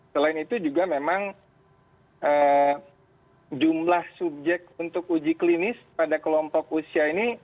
selain itu juga memang jumlah subjek untuk uji klinis pada kelompok usia ini